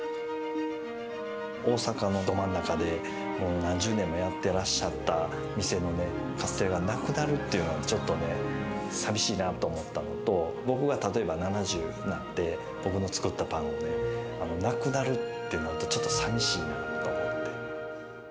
大阪のど真ん中で、何十年もやってらっしゃった店のカステラがなくなるっていうのはちょっとね、寂しいなって思ったのと、僕が例えば７０になって、僕の作ったパンがなくなるってのはちょっとさみしいなと思って。